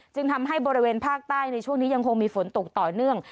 จึงทำให้บริเวณภาคใต้ในช่วงนี้ยังคงมีฝนตกต่อเนื่อง